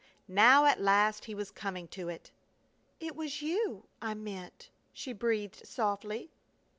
Now at last he was coming to it! "It was you I meant!" she breathed softly.